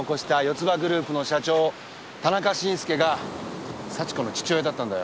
つばグループの社長田中伸介が幸子の父親だったんだよ。